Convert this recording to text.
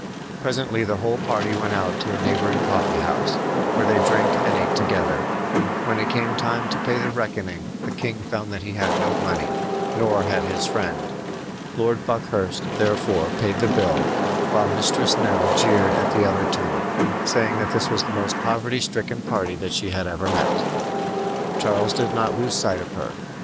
Presently the whole party went out to a neighboring coffee house, where they drank and ate together. When it came time to pay the reckoning the king found that he had no money, nor had his friend. Lord Buckhurst, therefore, paid the bill, while Mistress Nell jeered at the other two, saying that this was the most poverty stricken party that she had ever met. Charles did not lose sight of her.